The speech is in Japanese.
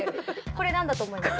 これ何だと思います？